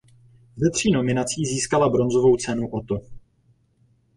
Ze tří nominací získala bronzovou cenu Otto.